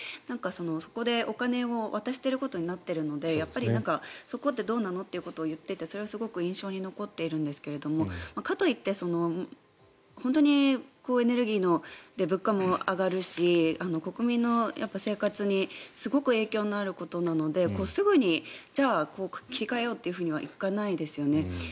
そこでお金を渡していることになっているのでそこってどうなのということを言っててすごく印象に残っているんですけどかといって本当にエネルギー物価も上がるし国民の生活にすごく影響のあることなのですぐにじゃあ切り替えようとはいかないですよね。